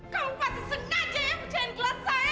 kamu pasti sengaja yang ngerjain gelas saya